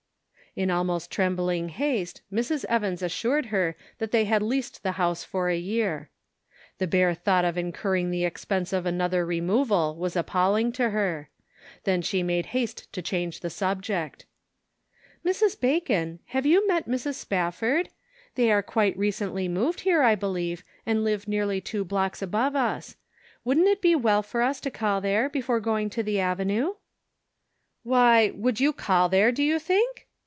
In almost trembling haste, Mrs. Evans assured her that they had leased the house for a year. TKe bare thought of incurring the expense of another removal was appalling to her. Then she made haste to change the subject. " Mrs. Bacon, have you met Mrs. Spafford ? They have quite recently moved here, I believe, and live nearly two blocks above us. Wouldn't it be well for us to call there before going to the avenue?" " Why, would you call there, do you think